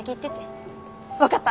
分かった。